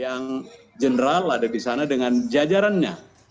yang general ada di sana dengan jajarannya